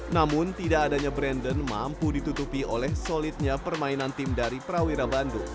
namun tidak adanya brandon mampu ditutupi oleh solidnya permainan tim dari prawira bandung